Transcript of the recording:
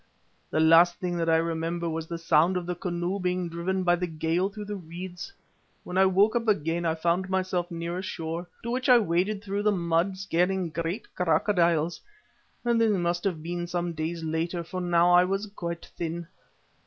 The last thing that I remember was the sound of the canoe being driven by the gale through reeds. When I woke up again I found myself near a shore, to which I waded through the mud, scaring great crocodiles. But this must have been some days later, for now I was quite thin.